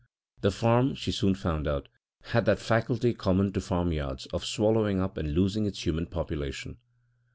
The farm, she soon found out, had that faculty common to farmyards of swallowing up and losing its human population.